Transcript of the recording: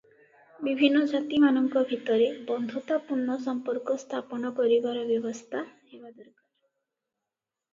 ବିଭିନ୍ନ ଜାତିମାନଙ୍କ ଭିତରେ ବନ୍ଧୁତାପୂର୍ଣ୍ଣ ସମ୍ପର୍କ ସ୍ଥାପନ କରିବାର ବ୍ୟବସ୍ଥା ହେବା ଦରକାର ।